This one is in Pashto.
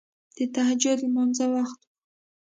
د تهجد لمانځه وخت وو.